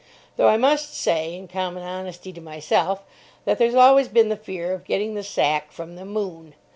Though I must say, in common honesty to myself, that there's always been the fear of getting the sack from the "Moon."